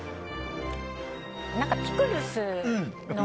何かピクルスの。